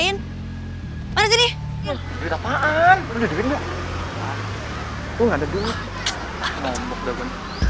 nombok udah gue